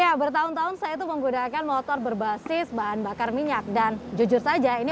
ya bertahun tahun saya itu menggunakan motor berbasis bahan bakar minyak dan jujur saja ini